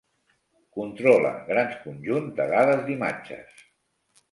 Controla grans conjunts de dades d'imatges.